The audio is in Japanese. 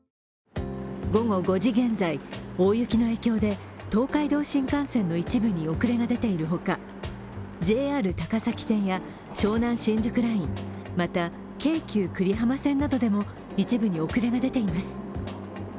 午後５時現在、大雪の影響で東海道新幹線の一部に遅れが出ているほかＪＲ高崎線や湘南新宿ライン、また京急久里浜線などでも一部に遅れが出ています。